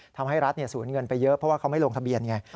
ทำให้รัฐสูญเงินไปเยอะเพราะว่าเขาไม่ลงทะเบียนไง